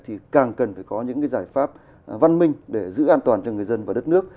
thì càng cần phải có những giải pháp văn minh để giữ an toàn cho người dân và đất nước